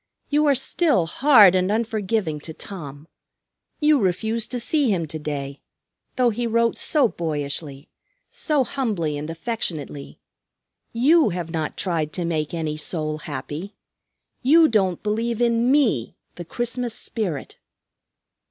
You are still hard and unforgiving to Tom. You refused to see him to day, though he wrote so boyishly, so humbly and affectionately. You have not tried to make any soul happy. You don't believe in me, the Christmas Spirit."